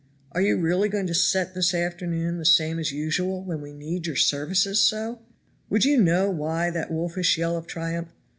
"Are you really going to set this afternoon the same as usual, when we need your services so?" Would you know why that wolfish yell of triumph?